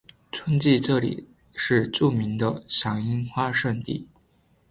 春季这里是著名的赏樱花胜地。